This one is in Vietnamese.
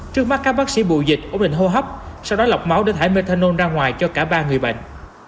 trước mắt các bác sĩ bụi dịch ổn định hô hấp sau đó lọc máu để thải methanol ra ngoài cho cả ba người bệnh